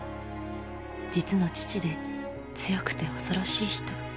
実の父で強くて恐ろしい人。